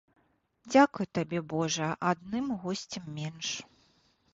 Дзякуй табе божа, адным госцем менш.